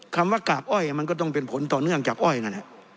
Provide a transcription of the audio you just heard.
คำว่ากาบอ้อยมันก็ต้องเป็นผลต่อเนื่องจากอ้อยนั่นแหละ